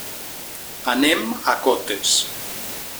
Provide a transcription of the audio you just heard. Anem a Cotes.